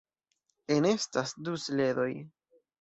Enestas du sledoj.